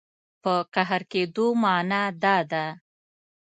په قهر کېدو معنا دا ده.